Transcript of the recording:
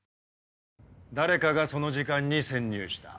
誰かがその時間に潜入した。